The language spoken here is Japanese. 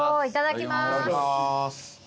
いただきます。